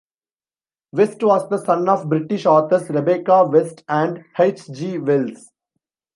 West was the son of British authors Rebecca West and H. G. Wells.